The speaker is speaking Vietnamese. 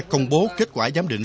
công bố kết quả giám định